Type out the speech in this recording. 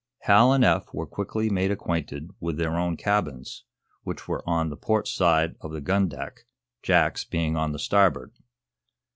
Hal and Eph were quickly made acquainted with their own cabins, which were on the port side of the gun deck, Jack's being on the starboard.